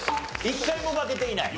一回も負けていない。